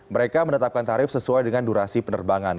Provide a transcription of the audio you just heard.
mereka menetapkan tarif sesuai dengan durasi penerbangan